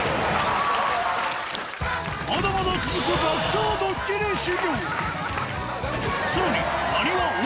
まだまだ続く爆笑ドッキリ修